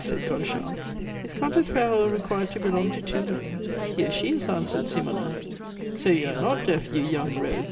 said Godeschal. "Is Comtesse Ferraud required to belong to two men?" "Here she is," answered Simonnin. "So you are not deaf, you young rogue!"